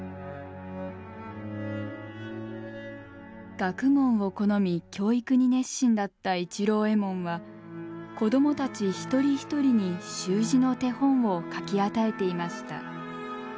学問を好み教育に熱心だった市郎右衛門は子供たち一人一人に習字の手本を書き与えていました。